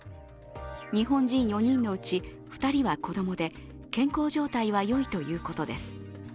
日本人４人のうち２人は子供で、健康状態はよいということです。